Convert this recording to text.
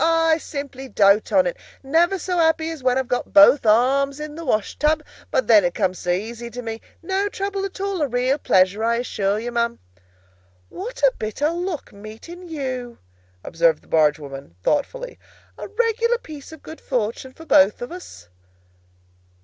"I simply dote on it. Never so happy as when I've got both arms in the wash tub. But, then, it comes so easy to me! No trouble at all! A real pleasure, I assure you, ma'am!" "What a bit of luck, meeting you!" observed the barge woman, thoughtfully. "A regular piece of good fortune for both of us!"